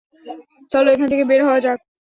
চলো, এখান থেকে বের হওয়া যাক।